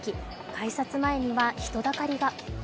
改札前には人だかりが。